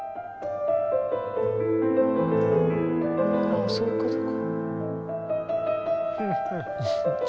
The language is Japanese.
あっそういうことか。